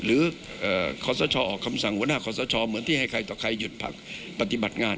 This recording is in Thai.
หรือขอสชออกคำสั่งหัวหน้าขอสชเหมือนที่ให้ใครต่อใครหยุดพักปฏิบัติงาน